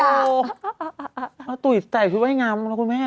อ้าตุ๋ยใส่สิ้นไว้งำทุกคนไม่แทน